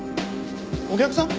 お客さん？